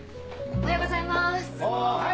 おはようございます。